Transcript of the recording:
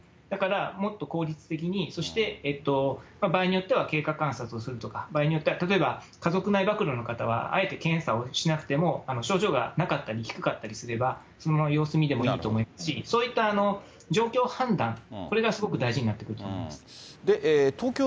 だから、もっと効率的に、そして場合によっては経過観察をするとか、場合によっては、例えば、家族内ばくろの方は、あえて検査をしなくても、症状がなかったり低かったりすれば、そのまま様子見でもいいと思いますし、そういった状況判断、これがすごく大事になってくると思います。